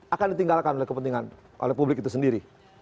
akan ditinggalkan oleh kepentingan oleh publik itu sendiri